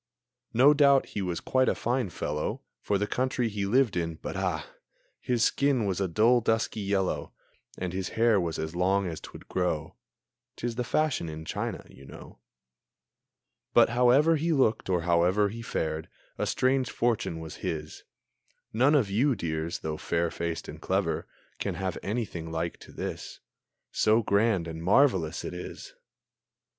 No doubt he was quite a fine fellow For the country he lived in but, ah! His skin was a dull, dusky yellow, And his hair was as long as 'twould grow. ('Tis the fashion in China, you know.) But however he looked, or however He fared, a strange fortune was his. None of you, dears, though fair faced and clever, Can have anything like to this, So grand and so marvelous it is!